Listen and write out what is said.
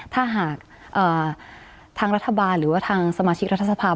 ถ้าหากทางรัฐบาลหรือว่าทางสมาชิกรัฐสภาพ